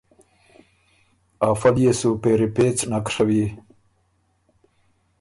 افۀ ليې سو پېری پېڅ نک ڒوی۔